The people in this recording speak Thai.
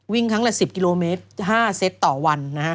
ครั้งละ๑๐กิโลเมตร๕เซตต่อวัน